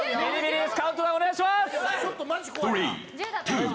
カウントダウンお願いします！